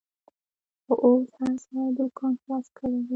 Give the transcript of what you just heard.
خو اوس هر سړي دوکان خلاص کړیدی